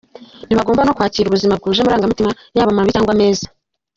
ntibagorwa no kwakira ubuzima bwuje amarangamutima yaba mabi cyangwa meza.